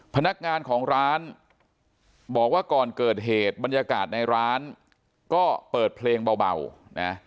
พนักงานของร้านบอกว่าก่อนเกิดเหตุบรรยากาศในร้านก็เปิดเพลงเบานะ